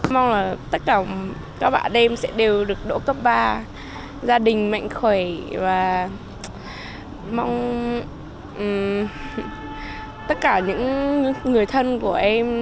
mong là tất cả các bạn em sẽ đều được độ cấp ba gia đình mạnh khỏe và mong tất cả những người thân của em